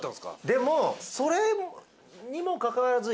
でもそれにもかかわらず。